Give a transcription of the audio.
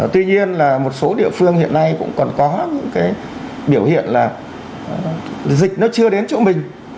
tuy nhiên là một số địa phương hiện nay cũng còn có những cái biểu hiện là dịch nó chưa đến chỗ mình